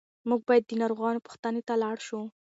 موږ باید د ناروغانو پوښتنې ته لاړ شو.